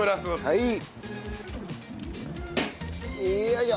はい。